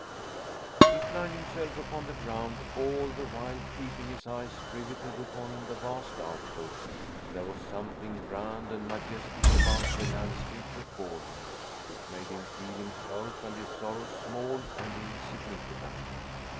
He flung himself upon the ground, all the while keeping his eyes riveted upon the vast outlook. There was something grand and majestic about the landscape before him, which made him feel himself and his sorrows small and insignificant.